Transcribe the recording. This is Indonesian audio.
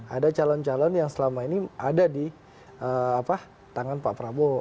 ada calon calon yang selama ini ada di tangan pak prabowo